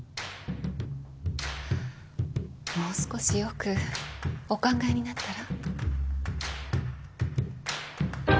もう少しよくお考えになったら？